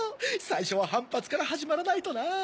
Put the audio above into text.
最初は反発から始まらないとな。